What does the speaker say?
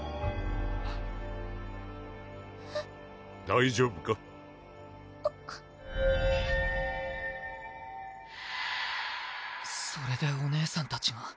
・大丈夫か？あっそれでお姉さんたちが。